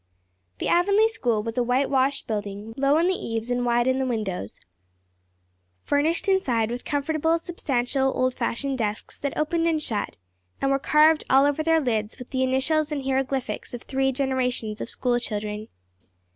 The Avonlea school was a whitewashed building, low in the eaves and wide in the windows, furnished inside with comfortable substantial old fashioned desks that opened and shut, and were carved all over their lids with the initials and hieroglyphics of three generations of school children.